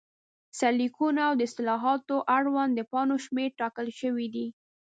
سرلیکونه، او د اصطلاحاتو اړوند د پاڼو شمېر ټاکل شوی دی.